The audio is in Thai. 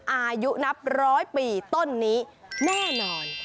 อายุนับร้อยปีต้นนี้แน่นอน